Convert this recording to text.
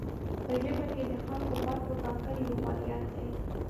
په ژبه کې د څکلو برخو ټاکل یو فعالیت دی.